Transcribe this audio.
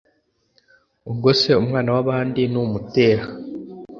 ubwo se umwana wabandi numutera